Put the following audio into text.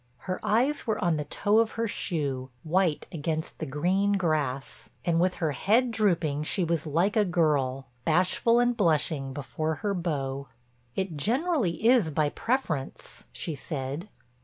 Her eyes were on the toe of her shoe, white against the green grass, and with her head drooping she was like a girl, bashful and blushing before her beau. "It generally is by preference," she said.